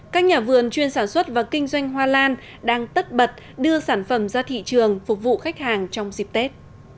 các nhà vườn chuyên sản xuất và kinh doanh hoa lan đang tất bật đưa sản phẩm ra thị trường phục vụ khách hàng trong dịp tết